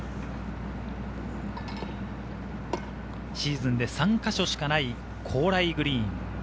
シーズンで３か所しかない高麗グリーン。